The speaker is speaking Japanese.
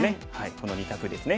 この２択ですね。